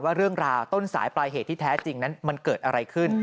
ว่าเรื่องราวต้นสายปลายเหตุที่แท้จริงนั้นมันเกิดอะไรขึ้น